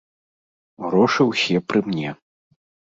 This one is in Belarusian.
Грошы ўсе пры мне.